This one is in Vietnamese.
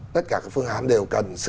tất cả các phương án đều cần sự